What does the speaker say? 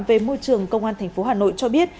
về môi trường công an thành phố hà nội cho biết